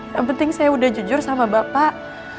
yang penting saya udah jujur sama bapak